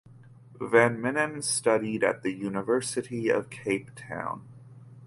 Van Minnen studied at the University of Cape Town.